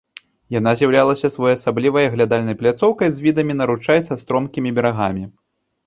Яна з'яўлялася своеасаблівай аглядальнай пляцоўкай з відамі на ручай са стромкімі берагамі.